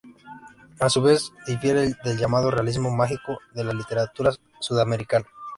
A su vez, difiere del llamado realismo mágico de la literatura sudamericana.